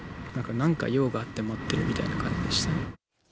なんか用があって待ってるみたいな感じでした。